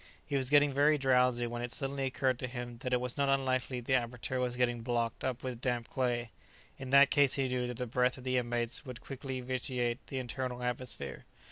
He was getting very drowsy when it suddenly occurred to him that it was not unlikely the aperture was getting blocked up with damp clay; in that case he knew that the breath of the inmates would quickly vitiate the internal atmosphere.